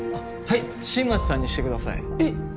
はい新町さんにしてくださいえっ！？